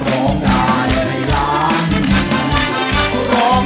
ร้องได้ให้ล้าน